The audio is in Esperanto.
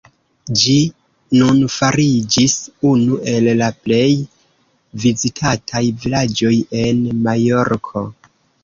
Ĝi nun fariĝis unu el la plej vizitataj vilaĝoj en Majorko.